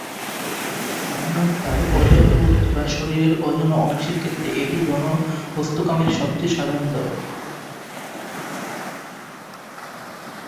অন্যথায় অযৌন বস্তু বা শরীরের অযৌন অংশের ক্ষেত্রে এটি যৌন বস্তুকাম-এর সবচেয়ে সাধারণ ধরন।